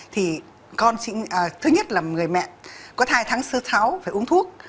thì thứ nhất là người mẹ có thai tháng sáu phải uống thuốc